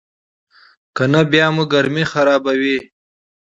کنه بیا مو ګرمي خرابوي.